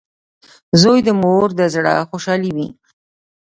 • زوی د مور د زړۀ خوشحالي وي.